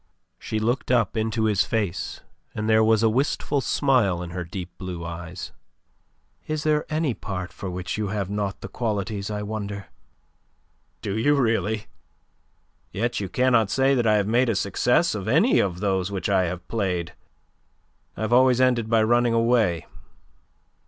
She looked up into his face, and there was a wistful smile in her deep blue eyes. "Is there any part for which you have not the qualities, I wonder?" "Do you really? Yet you cannot say that I have made a success of any of those which I have played. I have always ended by running away.